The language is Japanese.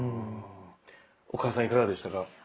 お母さんいかがでしたか？